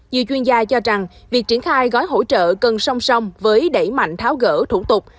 nhiều chuyên gia cho rằng việc triển khai gói hỗ trợ cần song song với đẩy mạnh tháo gỡ thủ tục